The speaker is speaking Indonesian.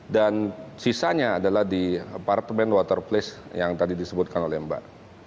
dan sisanya adalah di apartemen water place yang tadi disebutkan oleh mbak